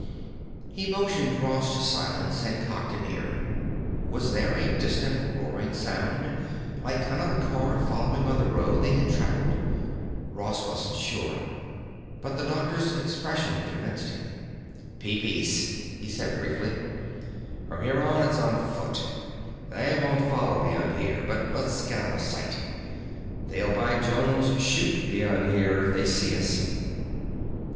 He motioned Ross to silence and cocked an ear. Was there a distant roaring sound, like another car following on the road they had traveled? Ross wasn't sure; but the doctor's expression convinced him. "Peepeece," he said briefly. "From here on it's on foot. They won't follow beyond here; but let's get out of sight. They'll by Jones shoot beyond here if they see us!"